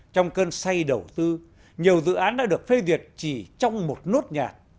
trong cơn say đầu tư nhiều dự án đã được phê duyệt chỉ trong một nốt nhạc